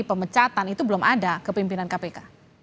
pemecatan itu belum ada ke pimpinan kpk